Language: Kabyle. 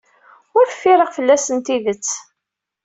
Ur ffireɣ fell-asen tidet.